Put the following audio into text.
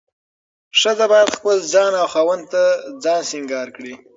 ښځه باید خپل ځان او خاوند ته ځان سينګار کړي.